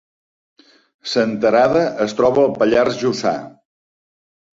Senterada es troba al Pallars Jussà